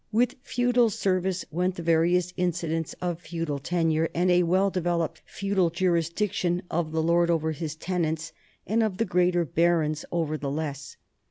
With feudal service went the various incidents of feudal ten ure and a well developed feudal jurisdiction of the lord over his tenants and of the greater barons over the less.